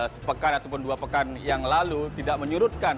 sepekan ataupun dua pekan yang lalu tidak menyurutkan